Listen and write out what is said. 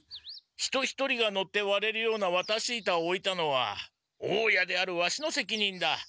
人一人が乗ってわれるようなわたし板をおいたのは大家であるワシのせきにんだ。